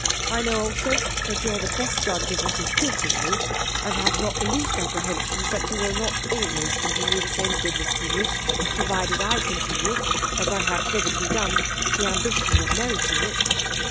I know also that you are the best judge of what is fit for me, and have not the least apprehensions that you will not always continue the same goodness to me, provided I continue, as I have hitherto done, the ambition of meriting it.